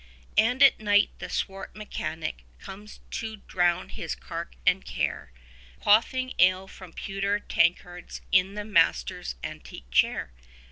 And at night the swart mechanic comes to drown his cark and care, Quaffing ale from pewter tankards, in the master's antique chair.